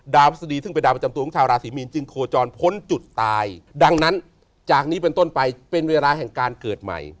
พฤษฎีซึ่งเป็นดาวประจำตัวของชาวราศีมีนจึงโคจรพ้นจุดตายดังนั้นจากนี้เป็นต้นไปเป็นเวลาแห่งการเกิดใหม่